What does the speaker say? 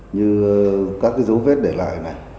như các dấu vết để lại này